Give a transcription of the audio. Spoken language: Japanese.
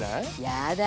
やだ